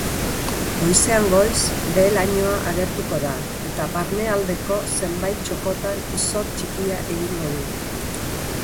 Goizean goiz behe-lainoa agertuko da eta barnealdeko zenbait txokotan izotz txikia egingo du.